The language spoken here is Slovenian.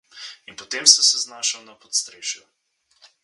In potem sem se znašel na podstrešju!